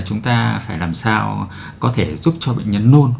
chúng ta phải làm sao có thể giúp cho bệnh nhân nôn